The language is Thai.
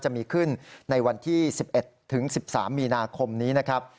จะมีขึ้นในวันที่๑๑ถึง๑๓มีนาคมนี้นะครับ